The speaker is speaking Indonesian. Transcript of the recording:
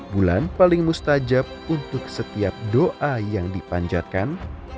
bulan paling mustajab untuk setiap doa yang dipanjatkan